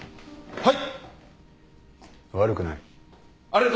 はい